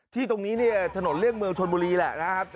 ที่ตรงนี้ถนนเรียกเมืองชนบุรีแหละนะครับ